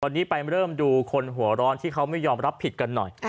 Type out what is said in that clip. ตอนนี้ไปเริ่มดูคนหัวร้อนที่เขาไม่ยอมรับผิดกันหน่อย